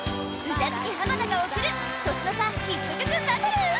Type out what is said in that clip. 歌好き浜田がおくる年の差ヒット曲バトル！